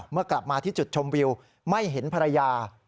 เมื่อกลับมาที่จุดชมวิวไม่เห็นภรรยา